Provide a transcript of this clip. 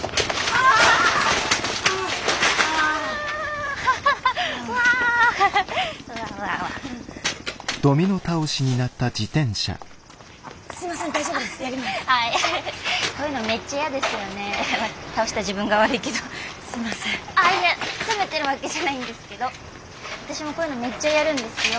ああいえ責めてるわけじゃないんですけど私もこういうのめっちゃやるんですよ。